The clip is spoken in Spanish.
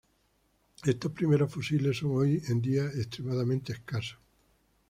Estos primeros fusiles son hoy en día extremadamente escasos.